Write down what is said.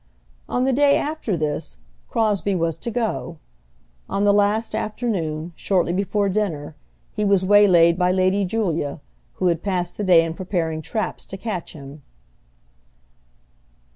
On the day after this, Crosbie was to go. On the last afternoon, shortly before dinner, he was waylaid by Lady Julia, who had passed the day in preparing traps to catch him.